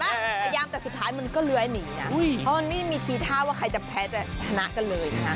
พยายามแต่สุดท้ายมันก็เลื้อยหนีนะเพราะมันไม่มีทีท่าว่าใครจะแพ้จะชนะกันเลยนะคะ